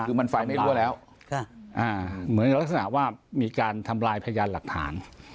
คือมันไฟไม่รั่วแล้วเหมือนลักษณะว่ามีการทำลายพยานหลักฐาน